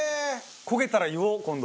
焦げたら言おう今度。